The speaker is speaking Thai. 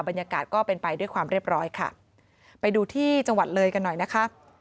บรรยากาศก็เป็นไปด้วยความเรียบร้อยค่ะไปดูที่จังหวัดเลยกันหน่อยนะคะ